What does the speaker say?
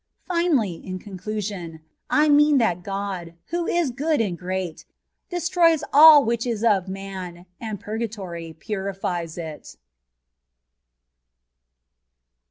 Finally, in conclusion, I mean that God, who is good and great, destroys ali which is of man, and purgatory purifies it.